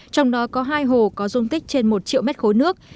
trong đó có hai hồ có dung tích trên một triệu mét khối nước